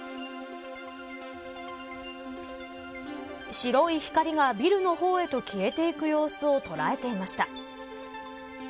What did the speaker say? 白い光がビルの方へと消えていく様子を捉えていました。